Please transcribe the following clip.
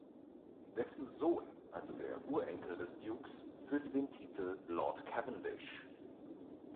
Dessen Sohn, also der Urenkel des Dukes, führt den Titel "Lord Cavendish".